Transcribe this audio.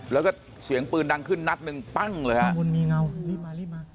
แล้วก็เสียงปืนดังขึ้นนัดนึงปั้งเลยฮะ